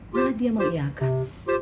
malah dia mengiyakan